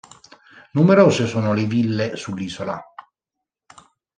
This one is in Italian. Numerose sono le ville sull'isola.